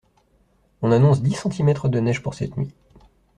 On annonce dix centimètres de neige pour cette nuit.